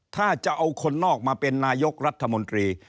ถ้าจะเอาคนนอกมาเป็นนายกรัฐมนตรี